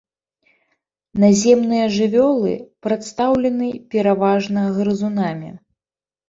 Наземныя жывёлы прадстаўлены пераважна грызунамі.